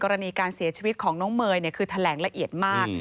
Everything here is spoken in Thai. กรณีการเสียชีวิตของน้องเมย์คือแถลงละเอียดมาก